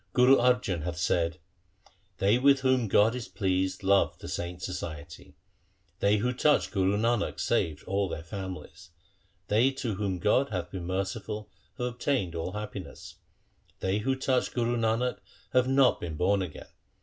Guru Arjan hath said :— They with whom God is pleased love the saints' society. They who touched Guru Nanak saved all their families. They to whom God hath been merciful have obtained all happiness. They who touched Guru Nanak have not been born again.